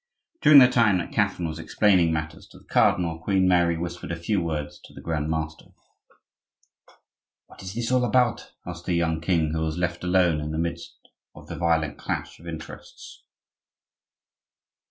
During the time that Catherine was explaining matters to the cardinal, Queen Mary whispered a few words to the grand master. "What is all this about?" asked the young king, who was left alone in the midst of the violent clash of interests.